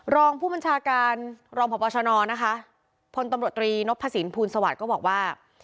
รองผู้บัญชาการรองพปชนนะคะพตรนพศภูนย์สวัสดิ์ก็บอกว่า